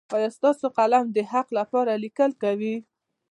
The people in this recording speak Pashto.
ایا ستاسو قلم د حق لپاره لیکل کوي؟